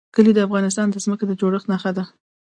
کلي د افغانستان د ځمکې د جوړښت نښه ده.